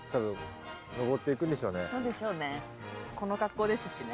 そうでしょうね。